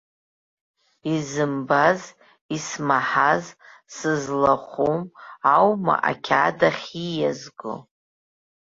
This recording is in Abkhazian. Изымбаз, исмаҳаз, сызлахәым аума ақьаад ахь ииазго?